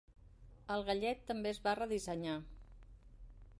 El gallet també es va redissenyar.